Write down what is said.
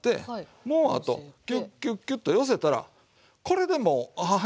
もうあとキュッキュッキュと寄せたらこれでもうおはぎの出来上がり。